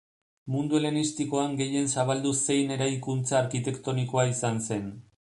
Mundu helenistikoan gehien zabaldu zein eraikuntza arkitektonikoa izan zen.